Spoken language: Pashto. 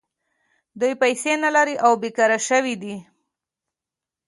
دوی پیسې نلري او بېکاره شوي دي